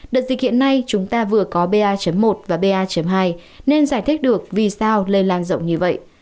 đợt dịch hiện nay chúng ta vừa có ba một và ba hai nên giải thích được vì sao lây lan rộng như vậy